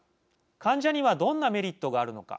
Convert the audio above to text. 患者にはどんなメリットがあるのか。